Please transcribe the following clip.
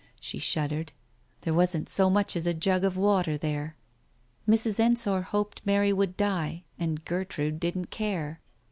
She shuddered. "There wasn't so much as a jug of water there. Mrs. Ensor hoped Mary would die, and Gertrude didn't care.